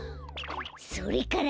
それからね。